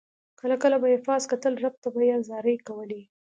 کله کله به یې پاس کتل رب ته به یې زارۍ کولې.